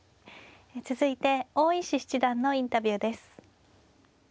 続いて大石七段のインタビューです。